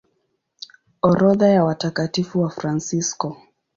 Orodha ya Watakatifu Wafransisko